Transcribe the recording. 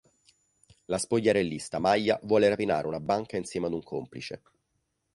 La spogliarellista Maja vuole rapinare una banca insieme ad un complice.